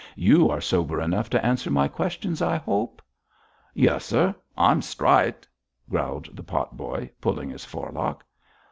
'You are sober enough to answer my questions, I hope?' 'Yuss, sir; I'm strite,' growled the pot boy, pulling his forelock.